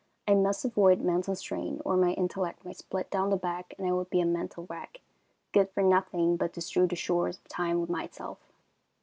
I must avoid mental strain or my intellect might split down the back and I would be a mental wreck, good for nothing but to strew the shores of time with myself.